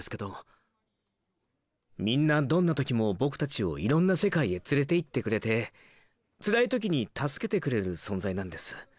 みんなどんな時も僕たちをいろんな世界へ連れていってくれてつらい時に助けてくれる存在なんです。